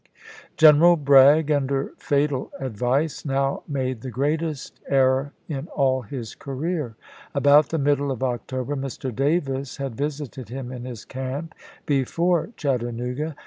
General Bragg, under fatal advice, now made the greatest error in all his career. About the middle of October Mr. Davis had visited him in his camp, before Chattanooga.